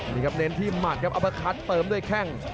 นี่ครับเน้นที่หมัดครับเอามาคัดเติมด้วยแข้ง